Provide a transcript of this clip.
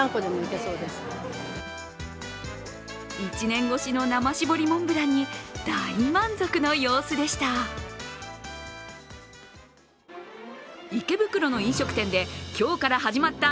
１年越しの生絞りモンブランに大満足の様子でした。